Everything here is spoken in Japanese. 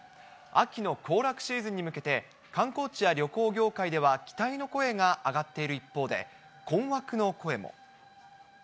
秋の行楽シーズンに向けて、観光地や旅行業界では期待の声が上がっている一方で、困惑の声も。